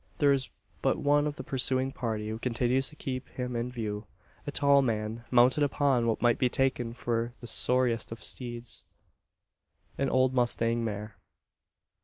There is but one of the pursuing party who continues to keep him in view a tall man, mounted upon what might be taken for the sorriest of steeds an old mustang mare.